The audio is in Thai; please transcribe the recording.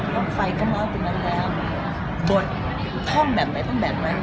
ตอนไฟก็มาตรงนั้นแล้วบทห้องแบบไหนห้องแบบไหน